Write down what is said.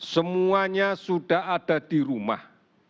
semuanya sudah ada di rumah